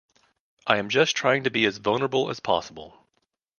I am just trying to be as vulnerable as possible.